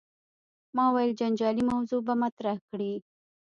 ما ویل جنجالي موضوع به مطرح کړې.